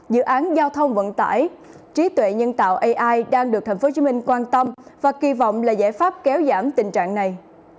dự án giao thông vận tải trí tuệ nhân tạo ai đang được tp hcm quan tâm và kỳ vọng là giải pháp kéo giảm tình trạng này